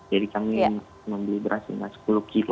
jadi kami membeli beras sekitar sepuluh kilo